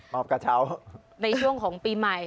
อบกระเช้าในช่วงของปีใหม่